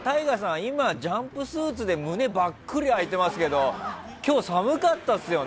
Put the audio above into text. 今、ジャンプスーツで胸バックリ開いてますけど今日、寒かったですよね？